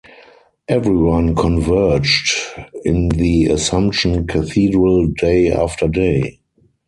Everyone converged in the Assumption Cathedral day after day.